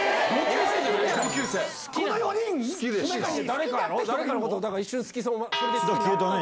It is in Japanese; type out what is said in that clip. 誰かのこと、一緒に、好きそうな。